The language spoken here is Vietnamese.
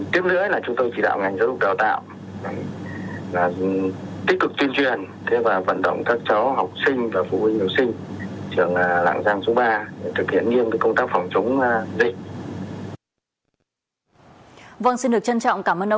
tiếp nữa là chúng tôi chỉ đạo